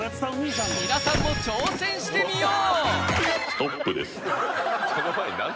皆さんも挑戦してみよう！